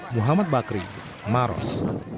muhammad bakri maros